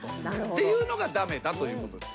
っていうのが駄目だということです。